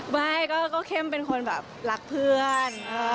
ไม่ก็เข้มเป็นคนแบบรักเพื่อน